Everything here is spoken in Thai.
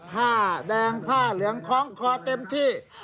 ผ้าแดงผ้าเหลืองคล้องคอเต็มที่